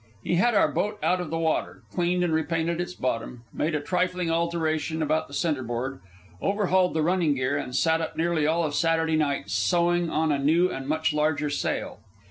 He had our boat out of the water, cleaned and repainted its bottom, made a trifling alteration about the centre board, overhauled the running gear, and sat up nearly all of Saturday night sewing on a new and much larger sail.